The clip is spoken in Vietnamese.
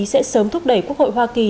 sẽ sớm thúc đẩy quốc hội hoa kỳ